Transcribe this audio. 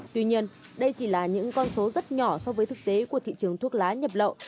tuy nhiên đây chỉ là những con số rất nhỏ so với thực tế của thị trường thuốc lá nhập lậu